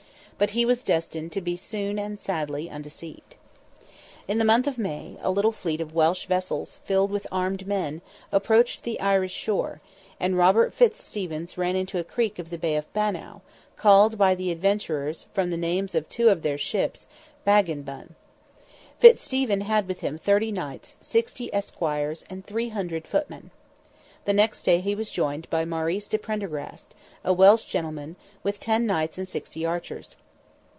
But he was destined to be soon and sadly undeceived. In the month of May, a little fleet of Welsh vessels, filled with armed men, approached the Irish shore, and Robert Fitzstephen ran into a creek of the bay of Bannow, called by the adventurers, from the names of two of their ships, Bag and Bun. Fitzstephen had with him thirty knights, sixty esquires, and three hundred footmen. The next day he was joined by Maurice de Prendergast, a Welsh gentleman, with ten knights and sixty archers.